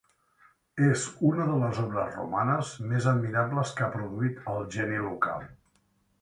És una de les obres romanes més admirables que ha produït el geni local.